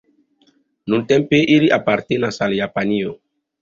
Nuntempe ili apartenas al Japanio.